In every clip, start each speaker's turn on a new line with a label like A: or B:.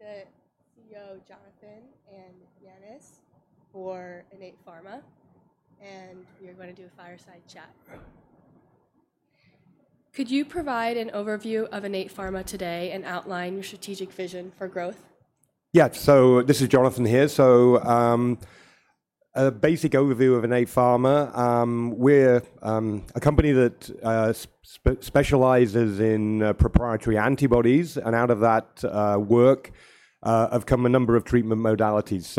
A: We have the CEO, Jonathan, and Yannis for Innate Pharma, and we are going to do a fireside chat. Could you provide an overview of Innate Pharma today and outline your strategic vision for growth?
B: Yeah, so this is Jonathan here. So a basic overview of Innate Pharma. We're a company that specializes in proprietary antibodies, and out of that work have come a number of treatment modalities.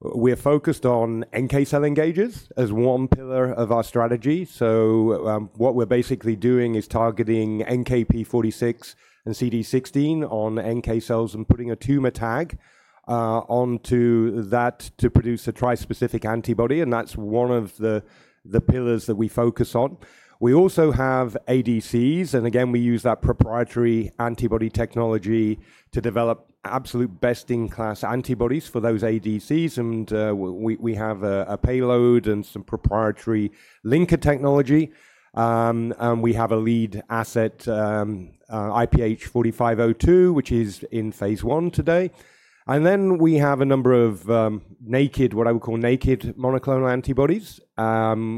B: We're focused on NK cell engagers as one pillar of our strategy. What we're basically doing is targeting NKp46 and CD16 on NK cells and putting a tumor tag onto that to produce a trispecific antibody. That's one of the pillars that we focus on. We also have ADCs, and again, we use that proprietary antibody technology to develop absolute best-in-class antibodies for those ADCs. We have a payload and some proprietary linker technology. We have a lead asset, IPH4502, which is in phase I today. We have a number of what I would call naked monoclonal antibodies,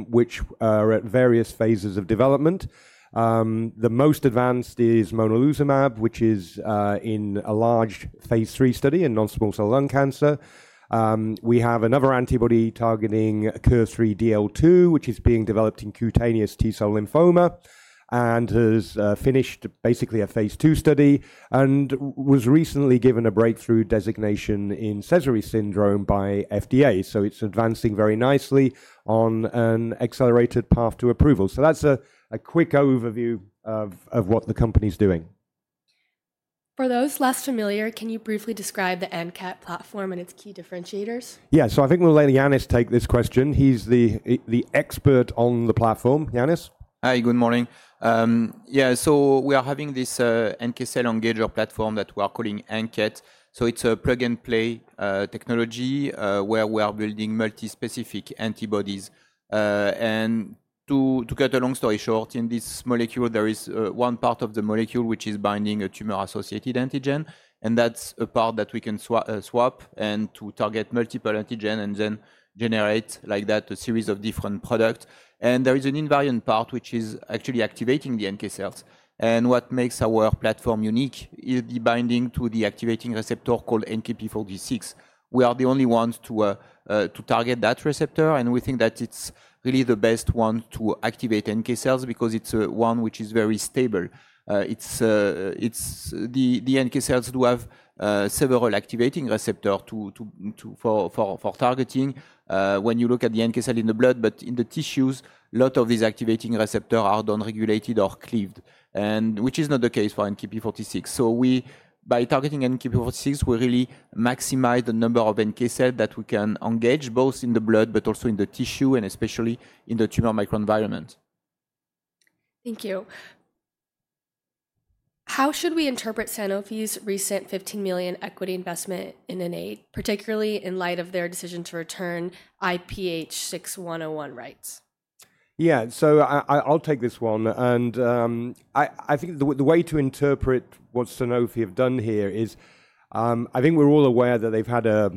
B: which are at various phases of development. The most advanced is Monalizumab, which is in a large phase III study in non-small cell lung cancer. We have another antibody targeting KIR3DL2, which is being developed in cutaneous T-cell lymphoma and has finished basically a phase II study and was recently given a breakthrough designation in Sézary syndrome by FDA. It's advancing very nicely on an accelerated path to approval. That's a quick overview of what the company's doing. For those less familiar, can you briefly describe the ANKET platform and its key differentiators? Yeah, so I think we'll let Yannis take this question. He's the expert on the platform. Yannis?
C: Hi, good morning. Yeah, so we are having this NK cell engager platform that we are calling ANKET. It is a plug and play technology where we are building multispecific antibodies. To cut a long story short, in this molecule, there is one part of the molecule which is binding a tumor-associated antigen. That is a part that we can swap to target multiple antigen and then generate like that a series of different products. There is an invariant part, which is actually activating the NK cells. What makes our platform unique is the binding to the activating receptor called NKp46. We are the only ones to target that receptor, and we think that it is really the best one to activate NK cells because it is one which is very stable. The NK cells do have several activating receptors for targeting. When you look at the NK cell in the blood, but in the tissues, a lot of these activating receptors are downregulated or cleaved, which is not the case for NKp46. By targeting NKp46, we really maximize the number of NK cells that we can engage both in the blood, but also in the tissue, and especially in the tumor microenvironment. Thank you. How should we interpret Sanofi's recent $15 million equity investment in Innate, particularly in light of their decision to return IPH6101 rights?
B: Yeah, I'll take this one. I think the way to interpret what Sanofi have done here is, I think we're all aware that they've had a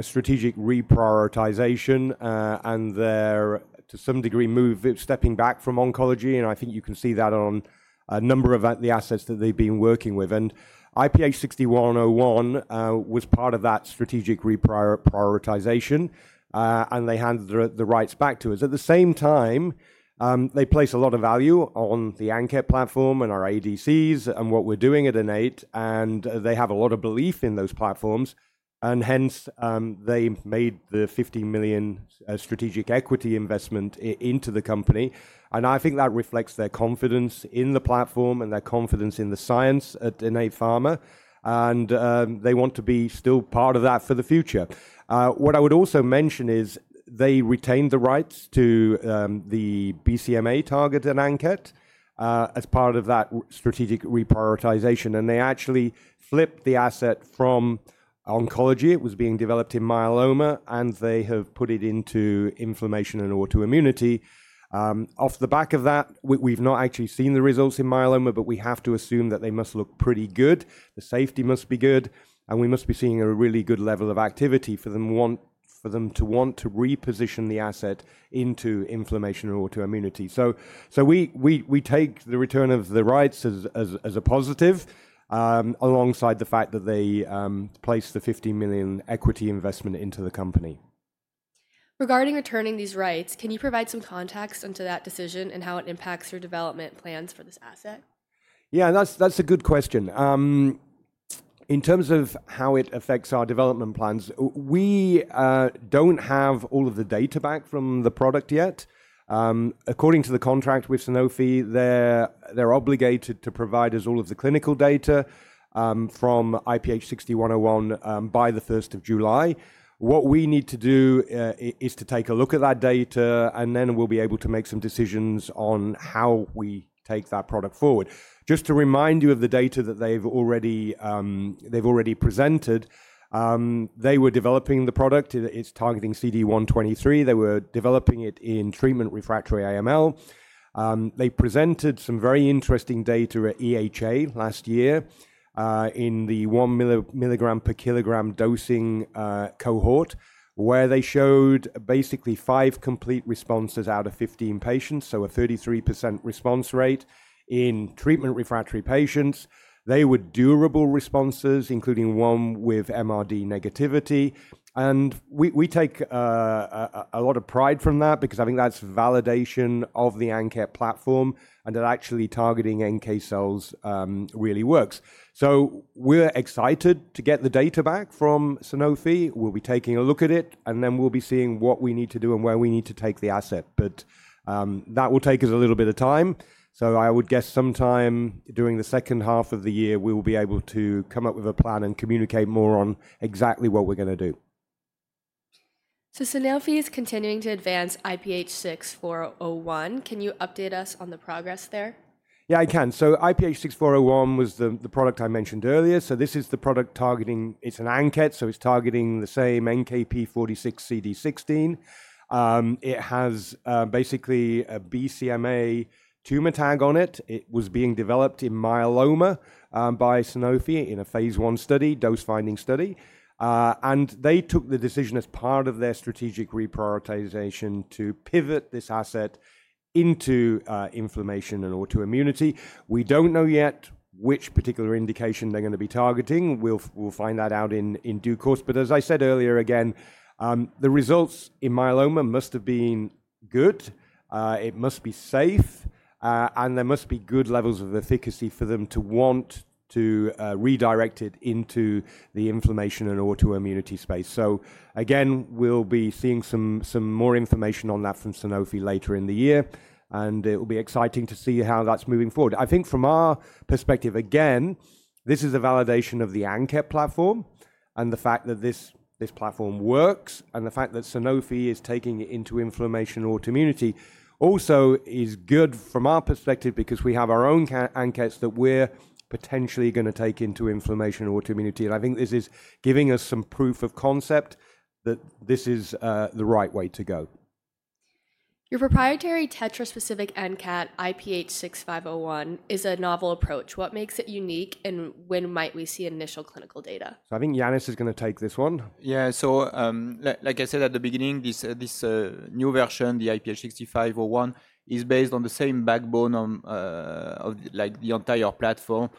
B: strategic reprioritization and they're, to some degree, stepping back from oncology. I think you can see that on a number of the assets that they've been working with. IPH6101 was part of that strategic reprioritization, and they handed the rights back to us. At the same time, they place a lot of value on the ANKET platform and our ADCs and what we're doing at Innate. They have a lot of belief in those platforms. Hence, they made the $15 million strategic equity investment into the company. I think that reflects their confidence in the platform and their confidence in the science at Innate Pharma. They want to be still part of that for the future. What I would also mention is they retained the rights to the BCMA target and ANKET as part of that strategic reprioritization. They actually flipped the asset from oncology. It was being developed in myeloma, and they have put it into inflammation and autoimmunity. Off the back of that, we've not actually seen the results in myeloma, but we have to assume that they must look pretty good. The safety must be good, and we must be seeing a really good level of activity for them to want to reposition the asset into inflammation and autoimmunity. We take the return of the rights as a positive alongside the fact that they placed the $15 million equity investment into the company. Regarding returning these rights, can you provide some context into that decision and how it impacts your development plans for this asset? Yeah, that's a good question. In terms of how it affects our development plans, we don't have all of the data back from the product yet. According to the contract with Sanofi, they're obligated to provide us all of the clinical data from IPH6101 by the 1st of July. What we need to do is to take a look at that data, and then we'll be able to make some decisions on how we take that product forward. Just to remind you of the data that they've already presented, they were developing the product. It's targeting CD123. They were developing it in treatment refractory AML. They presented some very interesting data at EHA last year in the one milligram per kilogram dosing cohort, where they showed basically five complete responses out of 15 patients, so a 33% response rate in treatment refractory patients. They were durable responses, including one with MRD negativity. We take a lot of pride from that because I think that's validation of the ANKET platform and that actually targeting NK cells really works. We're excited to get the data back from Sanofi. We'll be taking a look at it, and then we'll be seeing what we need to do and where we need to take the asset. That will take us a little bit of time. I would guess sometime during the second half of the year, we'll be able to come up with a plan and communicate more on exactly what we're going to do. Sanofi is continuing to advance IPH6401. Can you update us on the progress there? Yeah, I can. IPH6401 was the product I mentioned earlier. This is the product targeting. It's an ANKET, so it's targeting the same NKp46 CD16. It has basically a BCMA tumor tag on it. It was being developed in myeloma by Sanofi in a phase I study, dose-finding study. They took the decision as part of their strategic reprioritization to pivot this asset into inflammation and autoimmunity. We don't know yet which particular indication they're going to be targeting. We'll find that out in due course. As I said earlier, again, the results in myeloma must have been good. It must be safe, and there must be good levels of efficacy for them to want to redirect it into the inflammation and autoimmunity space. Again, we'll be seeing some more information on that from Sanofi later in the year. It will be exciting to see how that's moving forward. I think from our perspective, again, this is a validation of the ANKET platform and the fact that this platform works and the fact that Sanofi is taking it into inflammation and autoimmunity also is good from our perspective because we have our own ANKETs that we're potentially going to take into inflammation and autoimmunity. I think this is giving us some proof of concept that this is the right way to go. Your proprietary tetraspecific ANKET IPH6501 is a novel approach. What makes it unique and when might we see initial clinical data? I think Yannis is going to take this one.
C: Yeah, so like I said at the beginning, this new version, the IPH6501, is based on the same backbone of the entire platform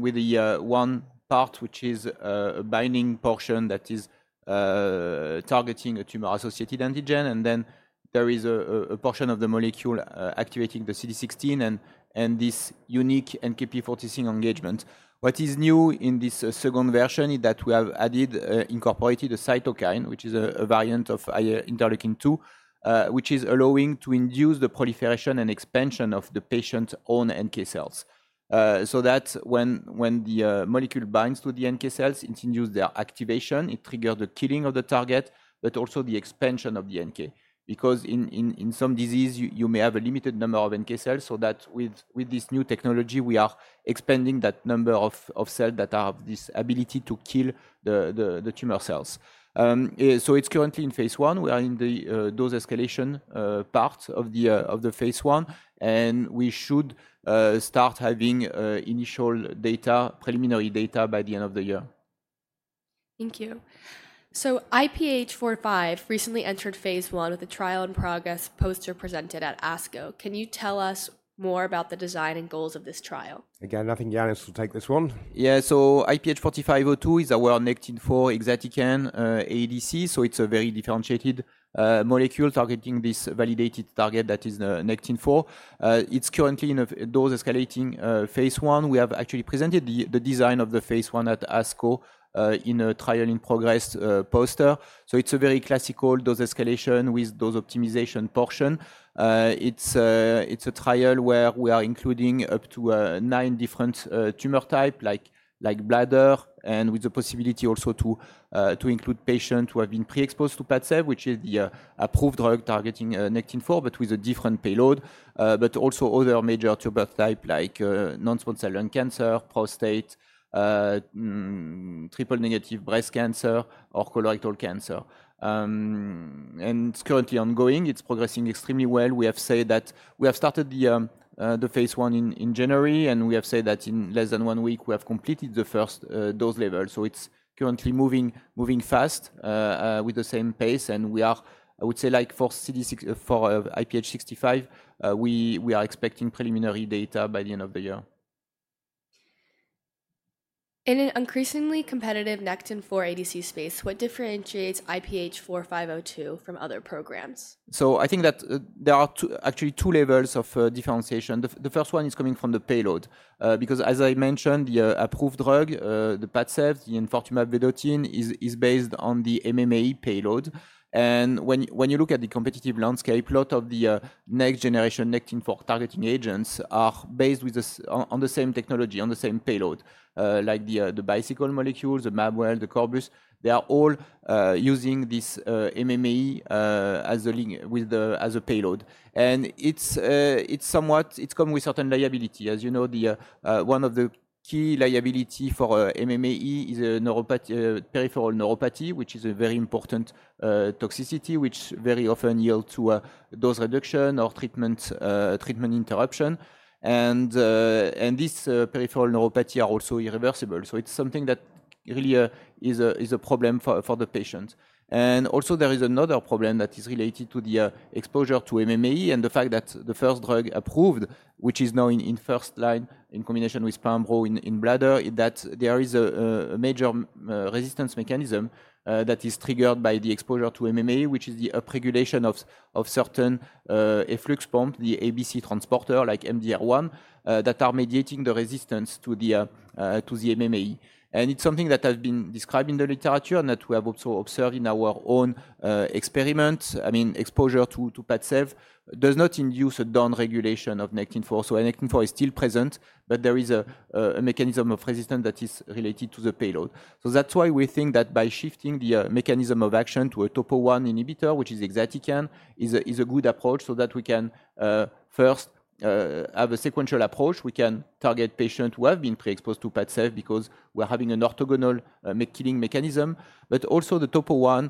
C: with the one part, which is a binding portion that is targeting a tumor-associated antigen. There is a portion of the molecule activating the CD16 and this unique NKp46 engagement. What is new in this second version is that we have added, incorporated a cytokine, which is a variant of interleukin 2, which is allowing to induce the proliferation and expansion of the patient's own NK cells. That way, when the molecule binds to the NK cells, it induces their activation. It triggers the killing of the target, but also the expansion of the NK. Because in some disease, you may have a limited number of NK cells. With this new technology, we are expanding that number of cells that have this ability to kill the tumor cells. It's currently in phase I. We are in the dose escalation part of the phase I, and we should start having initial data, preliminary data by the end of the year. Thank you. So IPH4502 recently entered phase I with a trial in progress poster presented at ASCO. Can you tell us more about the design and goals of this trial?
B: Again, I think Yannis will take this one.
C: Yeah, so IPH4502 is our Nectin-4 Exatecan ADC. So it's a very differentiated molecule targeting this validated target that is Nectin-4. It's currently in a dose-escalating phase I. We have actually presented the design of the phase I at ASCO in a trial in progress poster. It's a very classical dose escalation with dose optimization portion. It's a trial where we are including up to nine different tumor types like bladder, and with the possibility also to include patients who have been pre-exposed to PADCEV, which is the approved drug targeting Nectin-4, but with a different payload, but also other major tumor types like non-small cell lung cancer, prostate, triple negative breast cancer, or colorectal cancer. It's currently ongoing. It's progressing extremely well. We have said that we have started the phase I in January, and we have said that in less than one week, we have completed the first dose level. It is currently moving fast with the same pace. We are, I would say, like for IPH6501, we are expecting preliminary data by the end of the year. In an increasingly competitive Nectin-4 ADC space, what differentiates IPH4502 from other programs? I think that there are actually two levels of differentiation. The first one is coming from the payload. Because as I mentioned, the approved drug, the PADCEV, the Enfortumab vedotin, is based on the MMAE payload. When you look at the competitive landscape, a lot of the next generation Nectin-4 targeting agents are based on the same technology, on the same payload, like the Bicycle molecules, the Mabwell, the Corbus. They are all using this MMAE as a payload. It comes with certain liability. As you know, one of the key liabilities for MMAE is peripheral neuropathy, which is a very important toxicity, which very often leads to a dose reduction or treatment interruption. These peripheral neuropathies are also irreversible. It is something that really is a problem for the patient. There is another problem that is related to the exposure to MMA and the fact that the first drug approved, which is now in first line in combination with Padcev in bladder, is that there is a major resistance mechanism that is triggered by the exposure to MMA, which is the upregulation of certain efflux pumps, the ABC transporter like MDR1, that are mediating the resistance to the MMA. It is something that has been described in the literature and that we have also observed in our own experiments. I mean, exposure to Padcev does not induce a downregulation of Nectin-4. Nectin-4 is still present, but there is a mechanism of resistance that is related to the payload. That's why we think that by shifting the mechanism of action to a topo-1 inhibitor, which is Exatecan, is a good approach so that we can first have a sequential approach. We can target patients who have been pre-exposed to PADCEV because we're having an orthogonal killing mechanism. Also, the topo-1,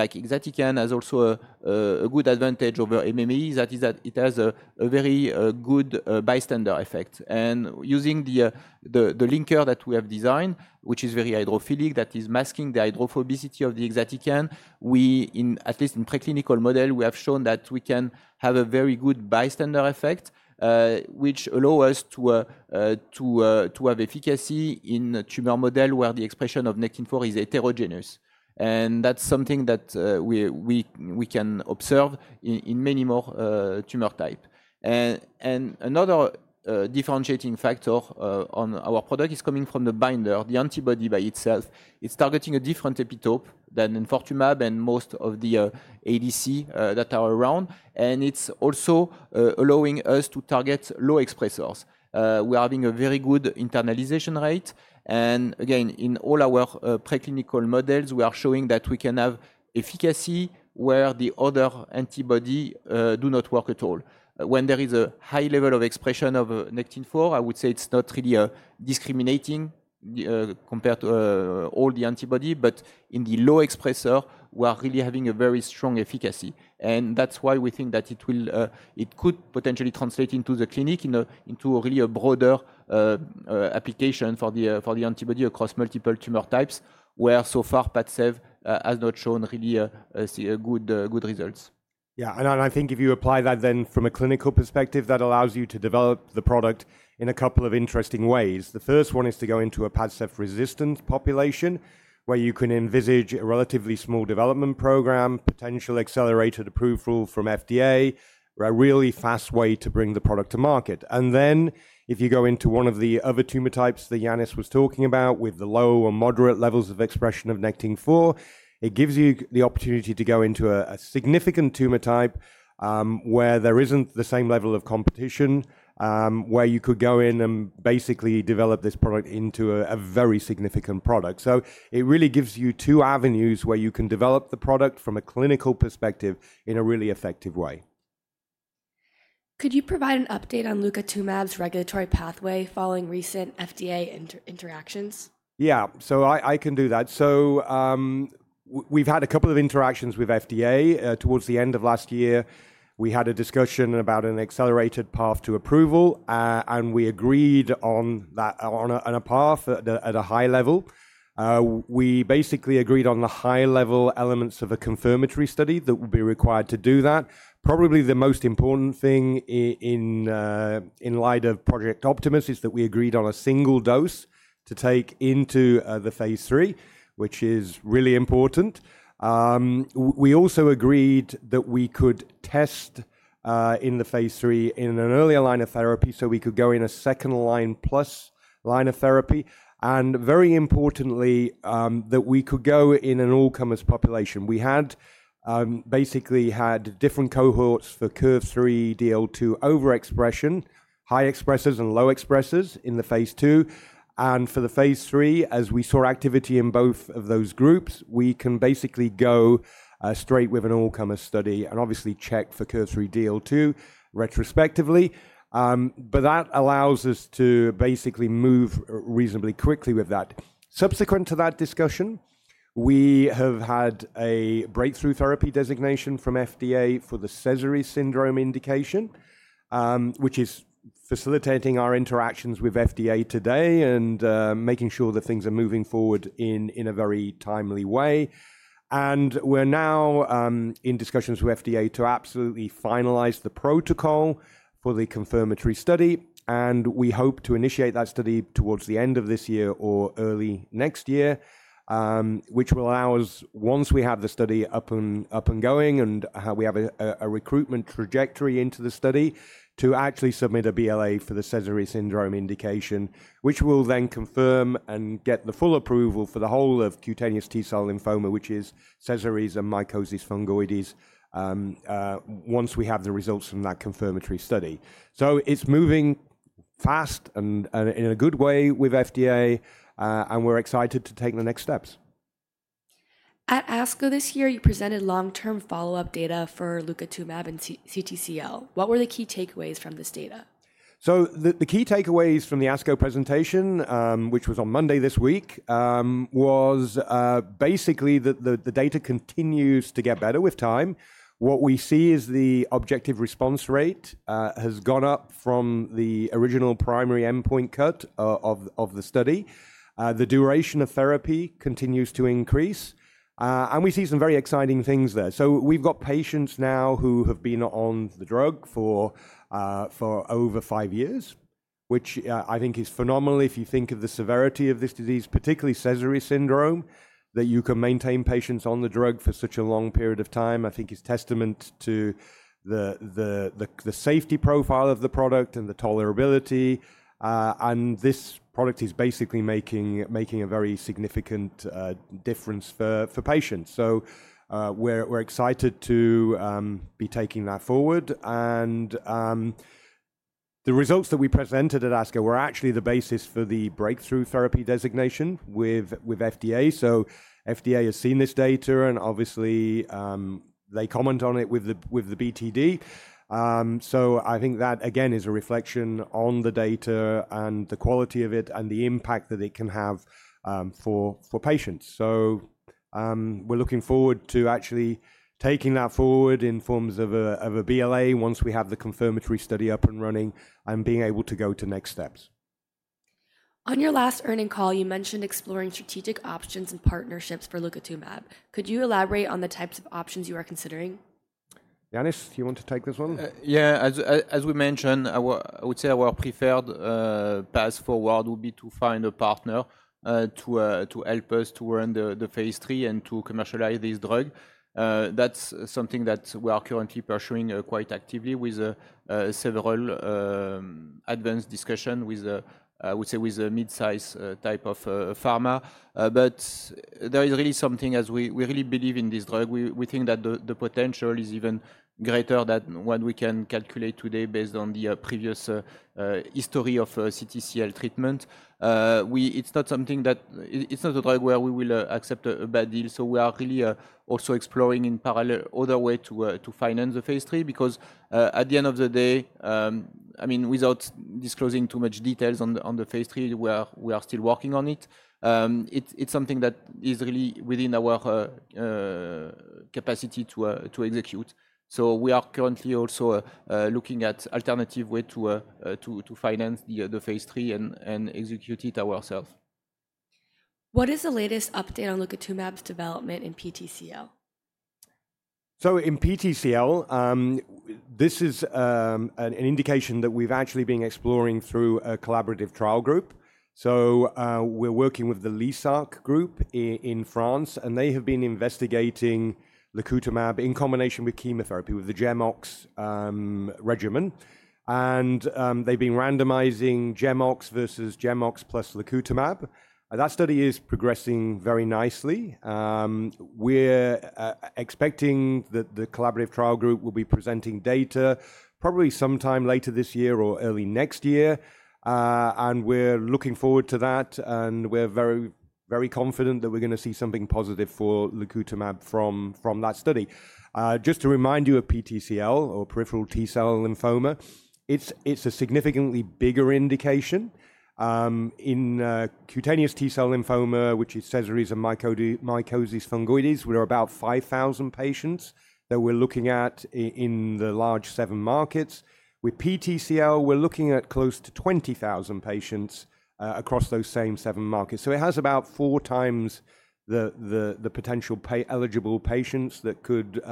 C: like Exatecan, has a good advantage over MMA. That is that it has a very good bystander effect. Using the linker that we have designed, which is very hydrophilic, that is masking the hydrophobicity of the Exatecan, at least in preclinical models, we have shown that we can have a very good bystander effect, which allows us to have efficacy in a tumor model where the expression of Nectin-4 is heterogeneous. That's something that we can observe in many more tumor types. Another differentiating factor on our product is coming from the binder, the antibody by itself. It is targeting a different epitope than Enfortumab and most of the ADC that are around. It is also allowing us to target low expressors. We are having a very good internalization rate. In all our preclinical models, we are showing that we can have efficacy where the other antibodies do not work at all. When there is a high level of expression of Nectin-4, I would say it is not really discriminating compared to all the antibodies, but in the low expressor, we are really having a very strong efficacy. That is why we think that it could potentially translate into the clinic into really a broader application for the antibody across multiple tumor types, where so far PADCEV has not shown really good results.
B: Yeah, and I think if you apply that then from a clinical perspective, that allows you to develop the product in a couple of interesting ways. The first one is to go into a PADCEV resistance population where you can envisage a relatively small development program, potential accelerated approval from FDA, a really fast way to bring the product to market. If you go into one of the other tumor types that Yannis was talking about with the low or moderate levels of expression of Nectin-4, it gives you the opportunity to go into a significant tumor type where there is not the same level of competition, where you could go in and basically develop this product into a very significant product. It really gives you two avenues where you can develop the product from a clinical perspective in a really effective way. Could you provide an update on Leukotumab's regulatory pathway following recent FDA interactions? Yeah, I can do that. We have had a couple of interactions with FDA. Towards the end of last year, we had a discussion about an accelerated path to approval, and we agreed on a path at a high level. We basically agreed on the high-level elements of a confirmatory study that will be required to do that. Probably the most important thing in light of Project Optimus is that we agreed on a single dose to take into the phase III, which is really important. We also agreed that we could test in the phase III in an earlier line of therapy, so we could go in a second line plus line of therapy. Very importantly, we could go in an all-comers population. We had basically had different cohorts for KIR3DL2 overexpression, high expressors and low expressors in the phase II. For the phase III, as we saw activity in both of those groups, we can basically go straight with an all-comers study and obviously check for KIR3DL2 retrospectively. That allows us to basically move reasonably quickly with that. Subsequent to that discussion, we have had a Breakthrough Therapy Designation from FDA for the Sézary syndrome indication, which is facilitating our interactions with FDA today and making sure that things are moving forward in a very timely way. We are now in discussions with FDA to absolutely finalize the protocol for the confirmatory study. We hope to initiate that study towards the end of this year or early next year, which will allow us, once we have the study up and going and we have a recruitment trajectory into the study, to actually submit a BLA for the Sézary syndrome indication, which will then confirm and get the full approval for the whole of cutaneous T-cell lymphoma, which is Sézary and mycosis fungoides, once we have the results from that confirmatory study. It is moving fast and in a good way with FDA, and we're excited to take the next steps. At ASCO this year, you presented long-term follow-up data for IPH4102 and CTCL. What were the key takeaways from this data? The key takeaways from the ASCO presentation, which was on Monday this week, was basically that the data continues to get better with time. What we see is the objective response rate has gone up from the original primary endpoint cut of the study. The duration of therapy continues to increase, and we see some very exciting things there. We have patients now who have been on the drug for over five years, which I think is phenomenal if you think of the severity of this disease, particularly Sézary syndrome, that you can maintain patients on the drug for such a long period of time. I think it is a testament to the safety profile of the product and the tolerability. This product is basically making a very significant difference for patients. We are excited to be taking that forward. The results that we presented at ASCO were actually the basis for the breakthrough therapy designation with FDA. FDA has seen this data, and obviously, they comment on it with the BTD. I think that, again, is a reflection on the data and the quality of it and the impact that it can have for patients. We are looking forward to actually taking that forward in forms of a BLA once we have the confirmatory study up and running and being able to go to next steps. On your last earnings call, you mentioned exploring strategic options and partnerships for IPH4102. Could you elaborate on the types of options you are considering? Yannis, you want to take this one?
C: Yeah, as we mentioned, I would say our preferred path forward would be to find a partner to help us to earn the phase III and to commercialize this drug. That's something that we are currently pursuing quite actively with several advanced discussions, I would say, with a mid-size type of pharma. There is really something, as we really believe in this drug, we think that the potential is even greater than what we can calculate today based on the previous history of CTCL treatment. It's not something that it's not a drug where we will accept a bad deal. We are really also exploring in parallel other ways to finance the phase III. Because at the end of the day, I mean, without disclosing too much details on the phase III, we are still working on it. It's something that is really within our capacity to execute. We are currently also looking at an alternative way to finance the phase III and execute it ourselves. What is the latest update on Leukotumab's development in PTCL?
B: In PTCL, this is an indication that we've actually been exploring through a collaborative trial group. We're working with the LISARC group in France, and they have been investigating Leukotumab in combination with chemotherapy with the Gemox regimen. They've been randomizing Gemox versus Gemox plus Leukotumab. That study is progressing very nicely. We're expecting that the collaborative trial group will be presenting data probably sometime later this year or early next year. We're looking forward to that. We're very, very confident that we're going to see something positive for Leukotumab from that study. Just to remind you of PTCL or peripheral T-cell lymphoma, it's a significantly bigger indication. In cutaneous T-cell lymphoma, which is Sézary's and mycosis fungoides, we're about 5,000 patients that we're looking at in the large seven markets. With PTCL, we're looking at close to 20,000 patients across those same seven markets. It has about four times the potential eligible patients that could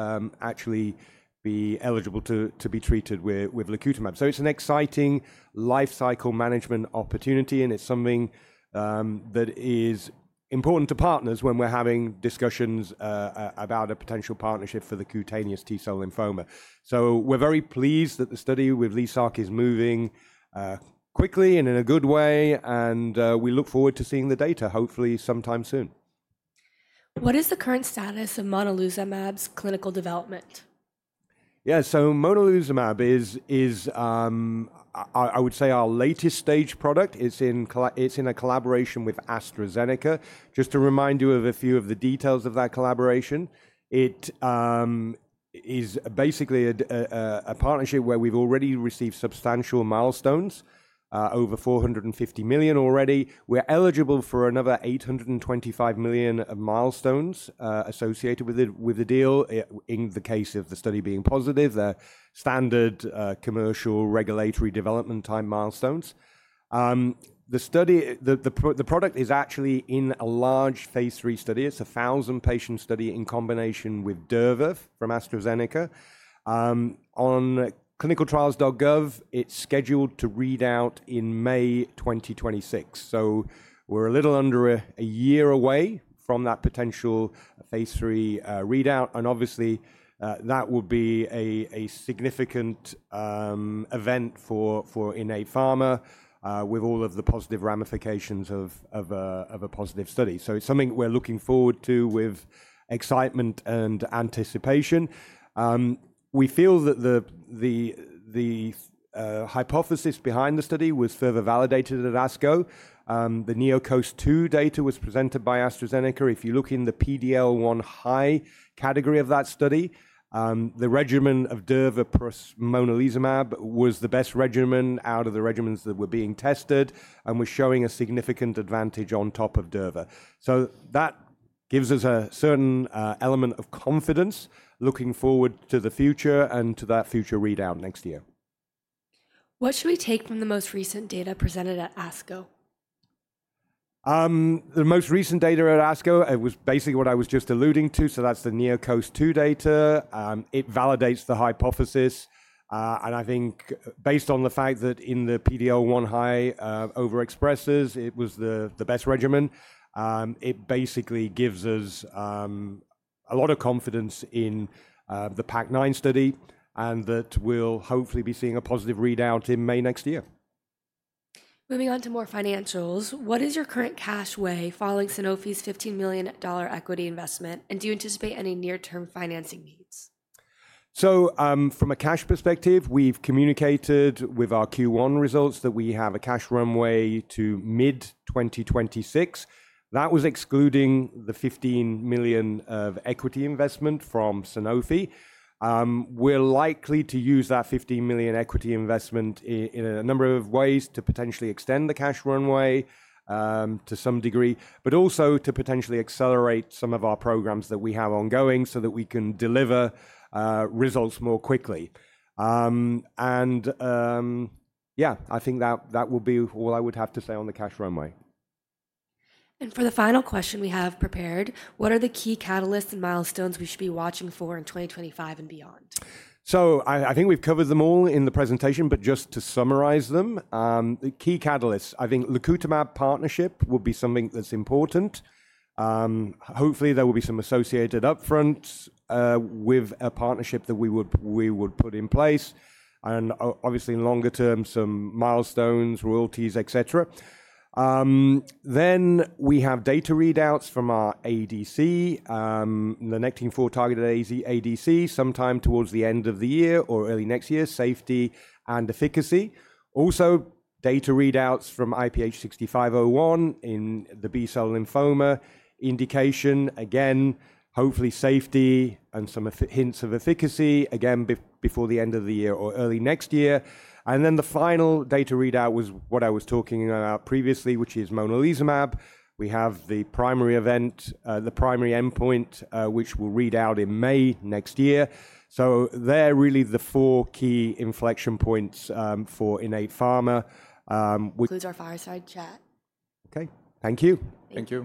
B: actually be eligible to be treated with IPH4102. It is an exciting lifecycle management opportunity, and it is something that is important to partners when we are having discussions about a potential partnership for the cutaneous T-cell lymphoma. We are very pleased that the study with LYSARC is moving quickly and in a good way. We look forward to seeing the data, hopefully sometime soon. What is the current status of Monalizumab's clinical development? Yeah, so Monalizumab is, I would say, our latest stage product. It's in a collaboration with AstraZeneca. Just to remind you of a few of the details of that collaboration, it is basically a partnership where we've already received substantial milestones, over $450 million already. We're eligible for another $825 million milestones associated with the deal in the case of the study being positive, the standard commercial regulatory development time milestones. The product is actually in a large phase III study. It's a 1,000-patient study in combination with Durvalumab from AstraZeneca. On clinicaltrials.gov, it's scheduled to read out in May 2026. We're a little under a year away from that potential phase III readout. Obviously, that would be a significant event for Innate Pharma with all of the positive ramifications of a positive study. It's something we're looking forward to with excitement and anticipation. We feel that the hypothesis behind the study was further validated at ASCO. The NeoCOAST-2 data was presented by AstraZeneca. If you look in the PD-L1 high category of that study, the regimen of Durvalumab plus Monalizumab was the best regimen out of the regimens that were being tested and was showing a significant advantage on top of Durvalumab. That gives us a certain element of confidence looking forward to the future and to that future readout next year. What should we take from the most recent data presented at ASCO? The most recent data at ASCO, it was basically what I was just alluding to. That is the NeoCOAST-2 data. It validates the hypothesis. I think based on the fact that in the PD-L1 high overexpressors, it was the best regimen, it basically gives us a lot of confidence in the PAC9 study and that we'll hopefully be seeing a positive readout in May next year. Moving on to more financials, what is your current cash way following Sanofi's $15 million equity investment? Do you anticipate any near-term financing needs? From a cash perspective, we've communicated with our Q1 results that we have a cash runway to mid-2026. That was excluding the $15 million of equity investment from Sanofi. We're likely to use that $15 million equity investment in a number of ways to potentially extend the cash runway to some degree, but also to potentially accelerate some of our programs that we have ongoing so that we can deliver results more quickly. Yeah, I think that will be all I would have to say on the cash runway. For the final question we have prepared, what are the key catalysts and milestones we should be watching for in 2025 and beyond? I think we've covered them all in the presentation, but just to summarize them, the key catalysts, I think Leukotumab partnership would be something that's important. Hopefully, there will be some associated upfronts with a partnership that we would put in place. Obviously, in longer term, some milestones, royalties, etc. We have data readouts from our ADC, the Nectin-4 targeted ADC, sometime towards the end of the year or early next year, safety and efficacy. Also, data readouts from IPH6501 in the B-cell lymphoma indication. Again, hopefully, safety and some hints of efficacy, again, before the end of the year or early next year. The final data readout was what I was talking about previously, which is Monalizumab. We have the primary event, the primary endpoint, which will read out in May next year. They're really the four key inflection points for Innate Pharma, which. Our fireside chat. Okay, thank you.
C: Thank you.